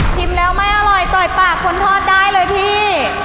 แล้วไม่อร่อยต่อยปากคนทอดได้เลยพี่